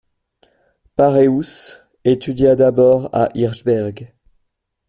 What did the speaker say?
Pareus étudia d’abord à Hirschberg.